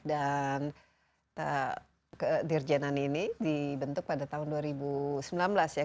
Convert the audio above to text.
dan dirjenan ini dibentuk pada tahun dua ribu sembilan belas ya ketika kita memulai yang namanya